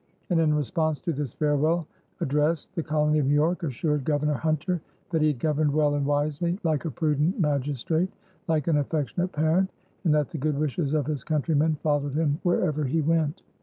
And in response to this farewell address the colony of New York assured Governor Hunter that he had governed well and wisely, "like a prudent magistrate, like an affectionate parent," and that the good wishes of his countrymen followed him wherever he went.